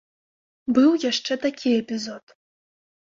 Быў яшчэ такі эпізод.